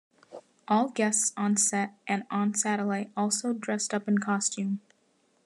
All guests on set and on satellite also dressed up in costume.